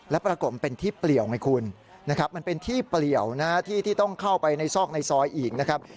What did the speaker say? และปรากฏเป็นที่เปลี่ยวไงคุณนะครับมันเป็นที่เปลี่ยวที่ต้องเข้าไปในซอกในซอยอีกนะครับ